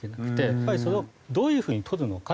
やっぱりそれをどういう風にとるのか。